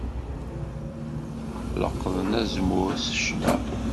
Leqqḍen azemmur s ccna.